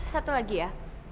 satu lagi ya